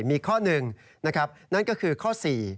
มีข้อหนึ่งนะครับนั่นก็คือข้อ๔